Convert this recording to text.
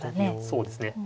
そうですね。